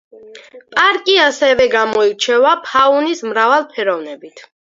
პარკი ასევე გამოირჩევა ფაუნის მრავალფეროვნებით.